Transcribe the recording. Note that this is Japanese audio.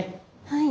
はい。